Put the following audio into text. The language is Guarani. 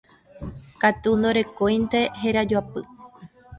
katu ndorekóinte herajoapy